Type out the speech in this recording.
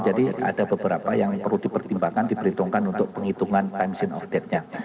jadi ada beberapa yang perlu dipertimbangkan diperhitungkan untuk penghitungan time same date nya